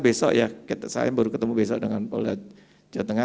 besok ya saya baru ketemu besok dengan polda jawa tengah